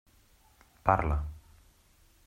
Parla.